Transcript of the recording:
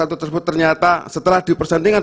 atau tersebut ternyata setelah dipersandingkan